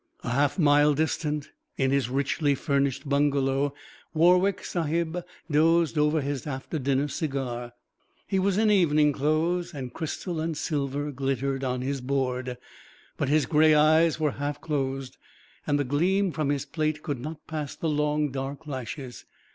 A half mile distant, in his richly furnished bungalow, Warwick Sahib dozed over his after dinner cigar. He was in evening clothes, and crystal and silver glittered on his board. But his gray eyes were half closed; and the gleam from his plate could not pass the long, dark lashes.